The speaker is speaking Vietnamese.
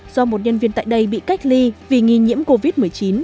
do một nhân viên tại đây bị cách ly vì nghi nhiễm covid một mươi chín